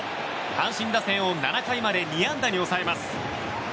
阪神打線を７回まで２安打に抑えます。